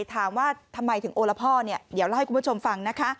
ถามว่าทำไมถึงโอละพ่อเนี่ยเดี๋ยวเล่าให้คุณผู้ชมฟังนะคะ